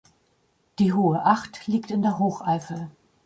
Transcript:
Die "Hohe Acht" liegt in der Hocheifel.